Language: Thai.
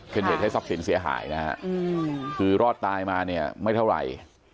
เป็นเหตุให้ทรัพย์สินเสียหายนะฮะคือรอดตายมาเนี่ยไม่เท่าไหร่